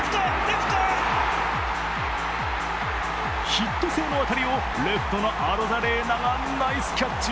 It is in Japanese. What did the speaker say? ヒット性の当たりをレフトのアロザレーナがナイスキャッチ。